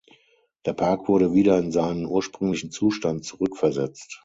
Der Park wurde wieder in seinen ursprünglichen Zustand zurückversetzt.